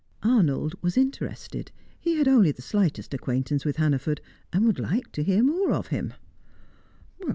Arnold was interested. He had only the slightest acquaintance with Hannaford, and would like to hear more of him.